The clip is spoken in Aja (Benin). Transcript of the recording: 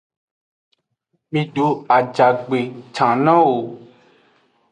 Mido ajagbe can nowo.